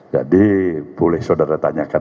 jadi boleh saudara tanyakan